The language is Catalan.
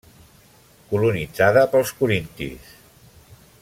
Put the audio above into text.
Colonitzada pels corintis.